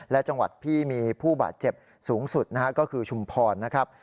และจังหวัดที่มีผู้บาดเจ็บสูงสุดนะฮะก็คือชุมพรนะครับ